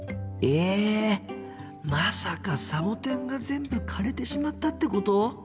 まさかサボテンが全部枯れてしまったってこと？